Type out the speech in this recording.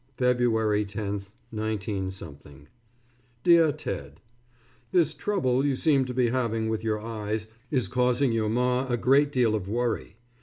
_February 10, 19 _ DEAR TED: This trouble you seem to be having with your eyes, is causing your Ma a great deal of worry.